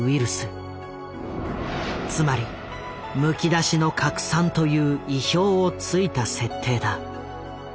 つまり「むきだしの核酸」という意表をついた設定だ。